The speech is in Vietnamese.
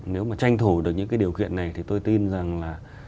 nếu mà tranh thủ được những cái điều kiện này thì tôi tin rằng là